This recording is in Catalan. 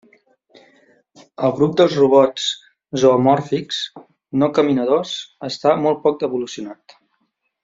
El grup dels robots zoomòrfics no caminadors està molt poc evolucionat.